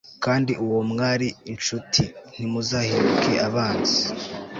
kandi uwo mwari incuti, ntimuzahinduke abanzi